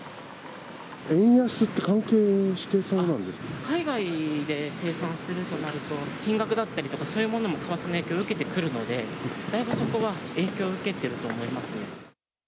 円安って関係してそうなんで海外で生産するとなると、金額だったりとか、そういうものも為替の影響受けてくるので、だいぶそこは影響を受けてると思いますね。